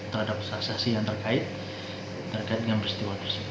terhadap sasasi yang terjadi